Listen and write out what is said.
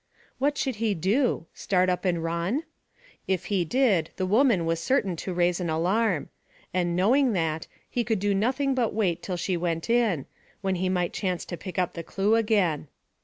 What should he do? Start up and run? If he did the woman was certain to raise an alarm; and, knowing that, he could do nothing but wait till she went in, when he might chance to pick up the clue again.